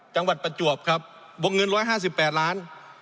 จังหวัดประจวบครับบกเงินร้อยห้าสิบแปดล้าน